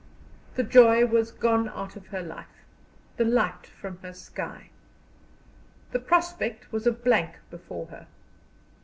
The joy was gone out of her life, the light from her sky. The prospect was a blank before her.